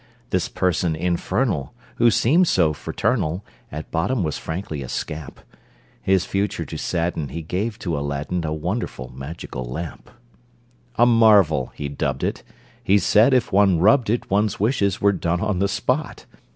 This person infernal, Who seemed so fraternal, At bottom was frankly a scamp: His future to sadden, He gave to Aladdin A wonderful magical lamp. A marvel he dubbed it. He said if one rubbed it One's wishes were done on the spot.